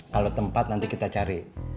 kalau tempat nanti kita cari